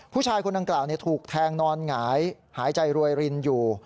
ผู้ชายคนดังกล่าวถูกแทงนอนหงายหายใจรวยรินอยู่